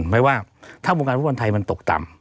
หมายความว่าถ้าวงการภาพมันไทยมันตกต่ำ